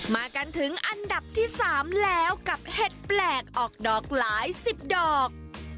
มากันถึงอันดับที่๓แล้วกับเห็ดแปลกออกดอกหลายสิบดอก